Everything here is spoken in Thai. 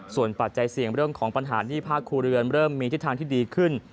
ส่วนปัจจัยเสี่ยงเรื่องของปัญหาหนี้ภาคครัวเรือนเริ่มมีทิศทางที่ดีขึ้น